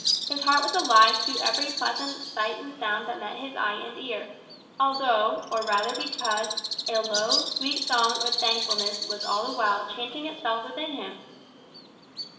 His heart was alive to every pleasant sight and sound that met his eye and ear; although, or rather because, a low, sweet song of thankfulness was all the while chanting itself within him.